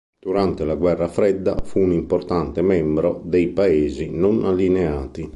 Durante la Guerra fredda fu un importante membro dei paesi non allineati.